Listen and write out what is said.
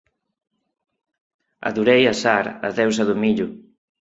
Adorei a Sar, a Deusa do Millo.